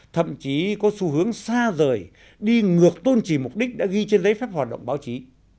thậm chí có xu hướng xa rời đi ngược tôn trì mục đích đã ghi trên giấy phép hoạt động báo chí